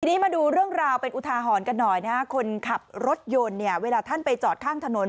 ทีนี้มาดูเรื่องราวเป็นอุทาหรณ์กันหน่อยนะฮะคนขับรถยนต์เนี่ยเวลาท่านไปจอดข้างถนน